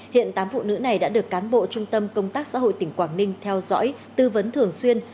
hiện tám phụ nữ này đã được cán bộ trung tâm công tác xã hội tỉnh quảng ninh theo dõi tư vấn thường xuyên